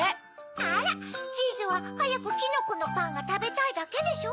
あらチーズははやくきのこのパンがたべたいだけでしょ？